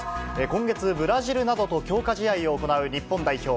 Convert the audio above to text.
今月、ブラジルなどと強化試合を行う日本代表。